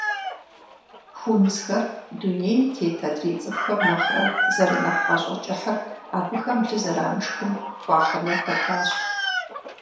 Хунзхэр дунейм тет адрей цӏыхухэм нэхърэ зэрынэхъ гъащӏэкӏыхьыр абыхэм лы зэрамышхым хуахьыну хэтащ.